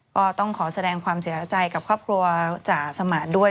ก็ต้องขอแสดงความเสียใจกับครอบครัวจ่าสมานด้วย